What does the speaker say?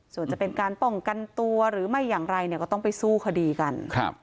ส่วนจะเป็นการป้องกันตัวหรือไม่อย่างไรเนี่ยก็ต้องไปสู้คดีกัน